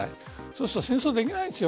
そうすると戦争ができないんです